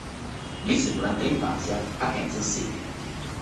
Visse durante l'infanzia a Kansas City.